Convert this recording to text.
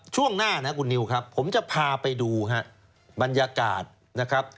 ช่วงหน้านะคุณนิวครับผมจะพาไปดูฮะบรรยากาศนะครับ